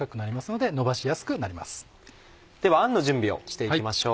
ではあんの準備をして行きましょう。